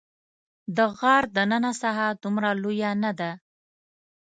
د غار دننه ساحه دومره لویه نه ده.